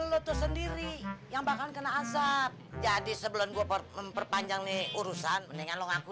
lutut sendiri yang bakal kena asap jadi sebelum gue memperpanjang nih urusan mendingan lo ngaku